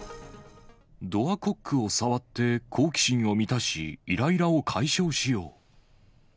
ドアコックを触って好奇心を満たし、いらいらを解消しよう。